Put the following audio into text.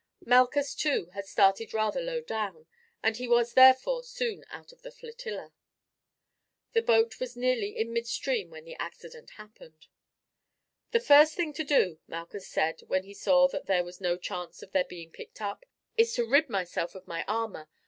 Malchus, too, had started rather low down, and he was therefore soon out of the flotilla. The boat was nearly in midstream when the accident happened. "The first thing to do," Malchus said when he saw that there was no chance of their being picked up, "is to rid myself of my armour.